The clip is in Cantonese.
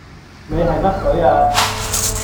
你係乜水啊